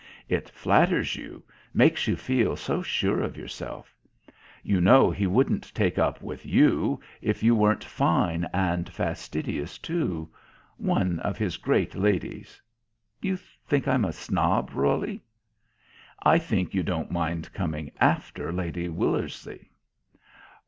It flatters you, makes you feel so sure of yourself. You know he wouldn't take up with you if you weren't fine and fastidious, too one of his great ladies.... You think I'm a snob, Roly?" "I think you don't mind coming after Lady Willersey."